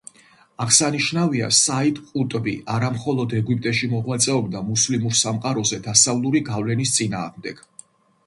აღსანიშნავია, საიდ ყუტბი არა მხოლოდ ეგვიპტეში მოღვაწეობდა მუსლიმურ სამყაროზე დასავლური გავლენის წინააღმდეგ.